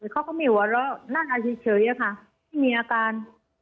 เขาก็ไม่หัวเล่านั่งอาจเฉยเฉยอะค่ะไม่มีอาการ